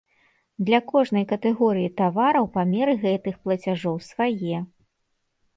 Для кожнай катэгорыі тавараў памеры гэтых плацяжоў свае.